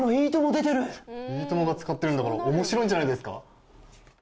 出てる「いいとも！」が使ってるんだから面白いんじゃないんですか？